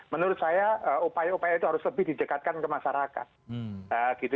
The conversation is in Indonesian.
menurut saya upaya upaya itu harus lebih didekatkan ke masyarakat